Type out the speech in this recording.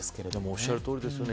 おっしゃるとおりですよね。